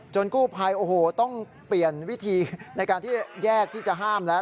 กู้ภัยโอ้โหต้องเปลี่ยนวิธีในการที่แยกที่จะห้ามแล้ว